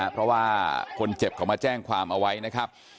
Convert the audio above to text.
เพราะว่าคนเจ็บเขามาแจ้งความเอาไว้นะครับ